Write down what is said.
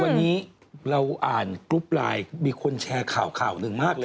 วันนี้เราอ่านกรุ๊ปไลน์มีคนแชร์ข่าวข่าวหนึ่งมากเลย